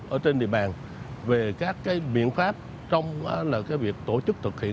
ở trên địa bàn về các miệng pháp trong việc tổ chức thực hiện